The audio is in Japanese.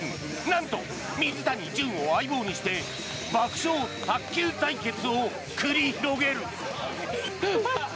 なんと水谷隼を「相棒」にして爆笑卓球対決を繰り広げる！